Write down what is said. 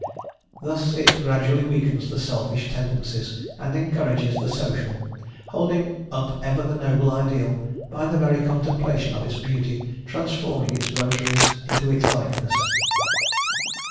Thus it gradually weakens the selfish tendencies and encourages the social, holding up ever the noble ideal by the very contemplation of its beauty transforming its votaries into its likeness.